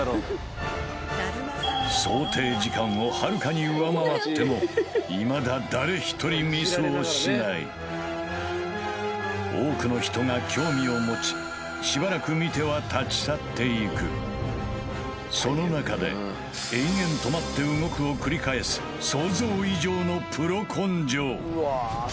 想定時間をはるかに上回ってもいまだ誰一人ミスをしない多くの人が興味を持ちしばらく見ては立ち去っていくその中で延々想像以上のプロ根性